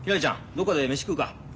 どっかで飯食うか。